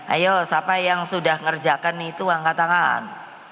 ayo siapa yang sudah ngerjakan itu angkat tangan